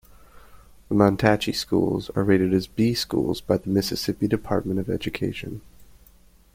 The Mantachie Schools are rated as "B" schools by the Mississippi Department of Education.